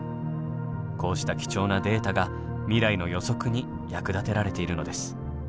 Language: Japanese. こうした貴重なデータが未来の予測に役立てられているのです。